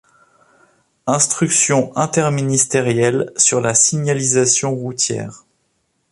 Instruction interministérielle sur la signalisation routière.